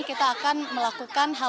kita akan melakukan hal hal yang lebih baik